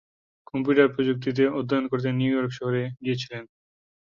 Computer প্রযুক্তিতে অধ্যয়ন করতে নিউ ইয়র্ক শহরে গিয়েছিলেন।